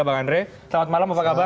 bang andre selamat malam apa kabar